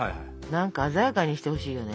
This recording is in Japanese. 何か鮮やかにしてほしいよね。